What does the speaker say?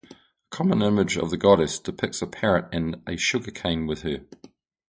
A common image of the goddess depicts a parrot and a sugarcane with her.